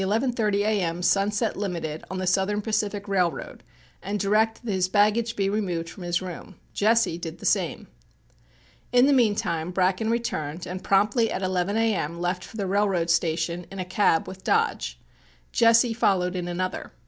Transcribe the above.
30 a.m. Sunset Limited on the Southern Pacific Railroad and direct that his baggage be removed from his room. Jesse did the same. In the meantime Bracken returned and promptly at 11 a.m. left for the railroad station in a cab with Dodge. Jesse followed in another.